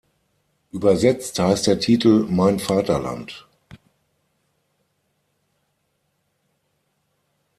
Übersetzt heißt der Titel: „Mein Vaterland“.